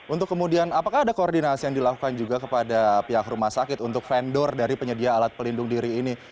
untuk kemudian apakah ada koordinasi yang dilakukan juga kepada pihak rumah sakit untuk vendor dari penyedia alat pelindung diri ini